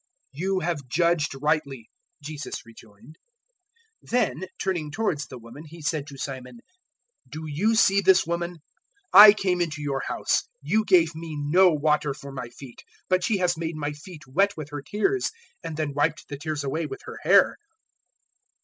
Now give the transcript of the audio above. "You have judged rightly," Jesus rejoined. 007:044 Then turning towards the woman He said to Simon, "Do you see this woman? I came into your house: you gave me no water for my feet; but she has made my feet wet with her tears, and then wiped the tears away with her hair.